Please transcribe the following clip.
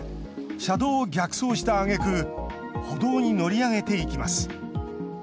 車道を逆走したあげく歩道に乗り上げていきます。